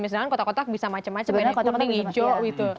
misalkan kotak kotak bisa macam macam ini kuning hijau gitu